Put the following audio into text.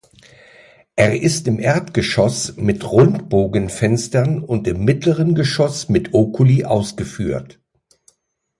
Er ist im Erdgeschoss mit Rundbogenfenstern und im mittleren Geschoss mit Oculi ausgeführt.